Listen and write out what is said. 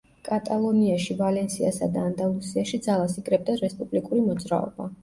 კატალონიაში, ვალენსიასა და ანდალუსიაში ძალას იკრებდა რესპუბლიკური მოძრაობა.